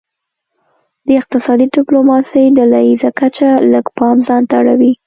د اقتصادي ډیپلوماسي ډله ایزه کچه لږ پام ځانته اړوي